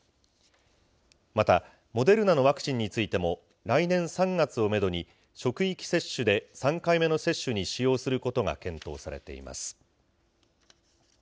また、モデルナのワクチンについても、来年３月をメドに、職域接種で３回目の接種に使用することが検討されています。